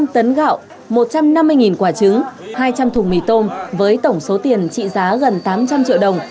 năm tấn gạo một trăm năm mươi quả trứng hai trăm linh thùng mì tôm với tổng số tiền trị giá gần tám trăm linh triệu đồng